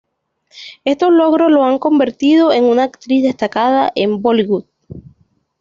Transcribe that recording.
Estos logros la han convertido en una actriz destacada de Bollywood.